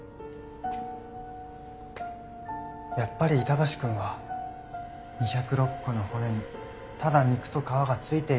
やっぱり板橋くんは２０６個の骨にただ肉と皮がついているだけの人だ。